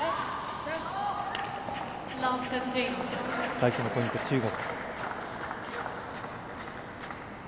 最初のポイント、中国。